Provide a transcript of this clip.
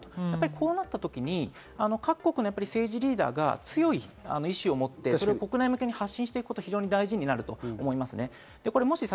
こうなった時に各国の政治リーダーが強い意思をもって国内向けに発信していくことが非常に大事になると思います。